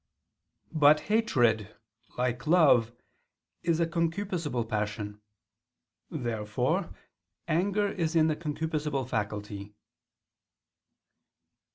But hatred, like love, is a concupiscible passion. Therefore anger is in the concupiscible faculty.